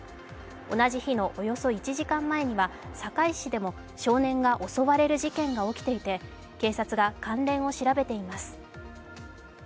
同じ日のおよそ１時間前には堺市でも少年が襲われる事件が起きていて警察が関連を調べています。